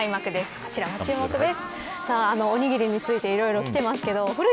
こちらも注目です。